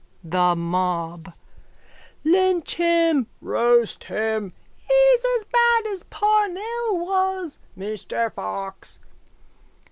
THE MOB: Lynch him! Roast him! He's as bad as Parnell was. Mr Fox!